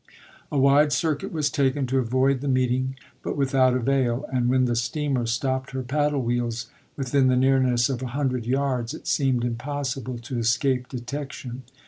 A wide circuit was taken to avoid the meeting, but without avail, and when the steamer stopped her paddle wheels within the nearness of a hundred yards it seemed impos sible to escape detection.